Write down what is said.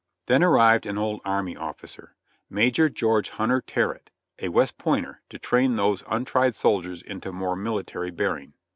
Then arrived an old army officer. Major George Hunter Ter lett, a West Pointer, to train these untried soldiers into more military bearing.